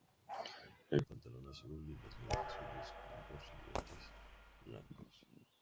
El pantalón azul y las medias azules con dos ribetes blancos.